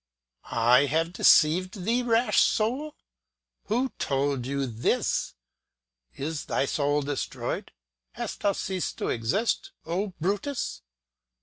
"I have deceived thee, rash soul! Who told thee this? Is thy soul destroyed? Hast thou ceased to exist? O Brutus!